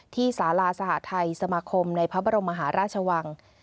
สาราสหทัยสมาคมในพระบรมมหาราชวัง